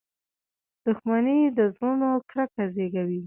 • دښمني د زړونو کرکه زیږوي.